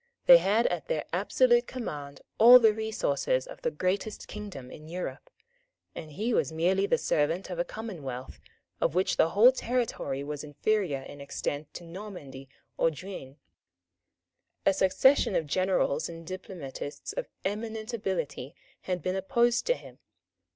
They had at their absolute command all the resources of the greatest kingdom in Europe; and he was merely the servant of a commonwealth, of which the whole territory was inferior in extent to Normandy or Guienne. A succession of generals and diplomatists of eminent ability had been opposed to him.